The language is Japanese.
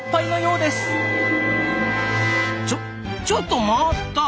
ちょちょっと待った！